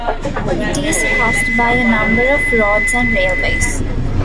It is crossed by a number of roads and railways.